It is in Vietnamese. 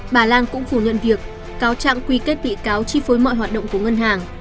bà lan cũng phủ nhận việc cáo trạng quy kết bị cáo chi phối mọi hoạt động của ngân hàng